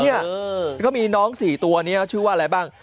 แล้วก็มีน้อง๔ตัวนี้ชื่อว่าอะไรบ้าง